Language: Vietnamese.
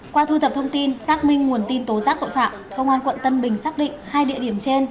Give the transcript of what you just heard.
qua thu thập thông tin xác minh nguồn tin tố giác tội phạm công an quận tân bình xác định hai địa điểm trên